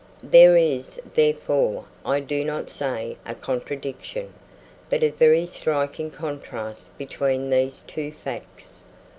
There is, therefore, I do not say a contradiction, but a very striking contrast between these two facts.